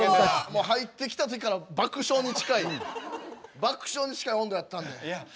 もう入ってきた時から爆笑に近い爆笑に近い温度やったんで。